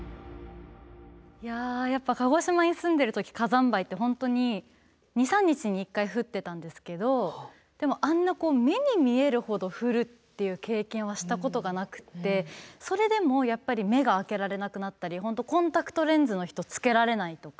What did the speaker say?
いややっぱ鹿児島に住んでる時火山灰って本当に２３日に１回降ってたんですけどでもあんな目に見えるほど降るっていう経験はしたことがなくてそれでもやっぱり目が開けられなくなったりコンタクトレンズの人つけられないとか。